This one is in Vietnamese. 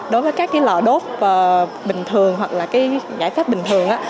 đối với các cái lò đốt bình thường hoặc là cái gãi pháp bình thường